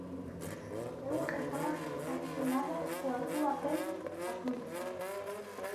Eu estaba fascinada coa súa pel azul.